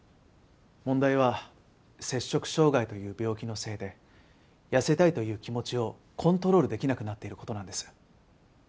問題は摂食障害という病気のせいで痩せたいという気持ちをコントロールできなくなっている事なんです。